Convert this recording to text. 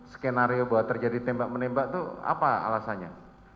skenario bahwa terjadi tembak menembak itu apa alasannya